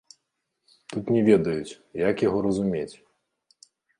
Тут не ведаюць, як яго разумець.